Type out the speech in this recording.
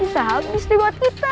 bisa habis nih buat kita